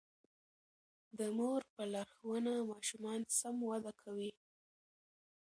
د مور په لارښوونه ماشومان سم وده کوي.